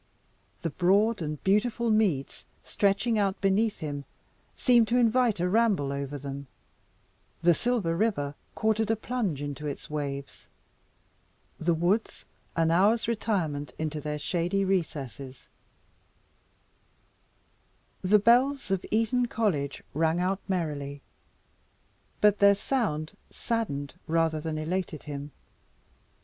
The broad and beautiful meads, stretching out beneath him, seemed to invite a ramble over them; the silver river courted a plunge into its waves, the woods an hour's retirement into their shady recesses, The bells of Eton College rang out merrily, but their sound saddened rather than elated him.